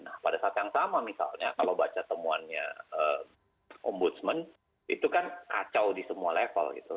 nah pada saat yang sama misalnya kalau baca temuannya ombudsman itu kan kacau di semua level gitu